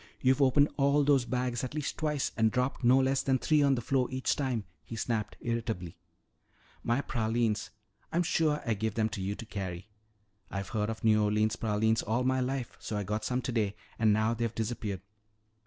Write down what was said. You've opened all those bags at least twice and dropped no less than three on the floor each time," he snapped irritably. "My pralines. I'm sure I gave them to you to carry. I've heard of New Orleans pralines all my life, so I got some today and now they've disappeared."